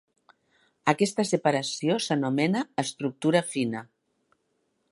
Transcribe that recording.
Aquesta separació s'anomena estructura fina.